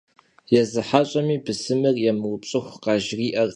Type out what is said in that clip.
Yêzı heş'emi bısımır yêupş'ıxu khajjri'ertekhım.